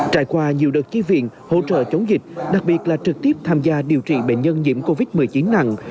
trải qua nhiều đợt chi viện hỗ trợ chống dịch đặc biệt là trực tiếp tham gia điều trị bệnh nhân nhiễm covid một mươi chín nặng